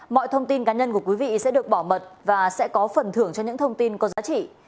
mọi thông tin cá nhân của quý vị sẽ được bảo mật và sẽ có phần thưởng cho những thông tin có giá trị